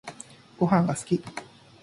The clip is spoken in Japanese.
ごはんが好き